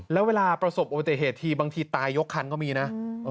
แล้วเวลาประสบอุบัติเหตุทีบางทีตายยกคันก็มีนะ